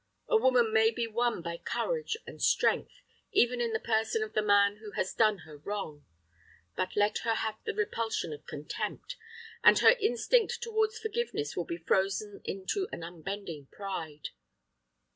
A woman may be won by courage and strength, even in the person of the man who has done her wrong; but let her have the repulsion of contempt, and her instinct towards forgiveness will be frozen into an unbending pride.